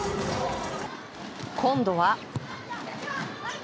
今度は。